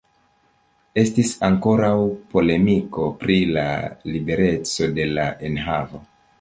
Estis ankoraŭ polemiko pri la libereco de la enhavo.